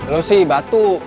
lu sih batu